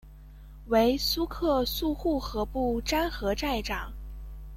为苏克素护河部沾河寨长。